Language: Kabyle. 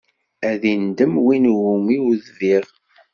Ad indem win iwumi ur idbiɣ.